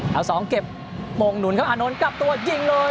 เอาสองเก็บโมงหนุนครับอานนท์กลับตัวยิงเลย